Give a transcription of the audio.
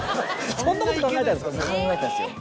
そんなこと考えたんですか？